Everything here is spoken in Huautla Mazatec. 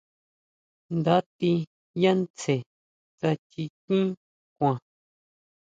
Nda tí yá tsjen tsá chikín kuan.